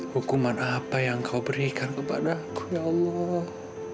hukuman apa yang kau berikan kepada aku ya allah